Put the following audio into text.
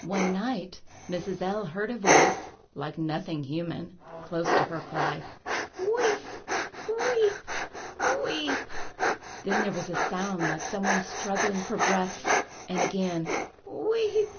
One night Mrs. L—— heard a voice, like nothing human, close to her, cry, "Weep! weep! weep!" Then there was a sound like some one struggling for breath, and again "Weep!